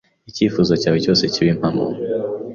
Icyifuzo cyawe cyose kibe impamo